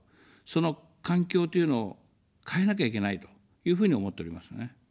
その環境というのを、変えなきゃいけないというふうに思っておりますね。